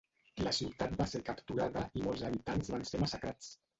La ciutat va ser capturada i molts habitants van ser massacrats.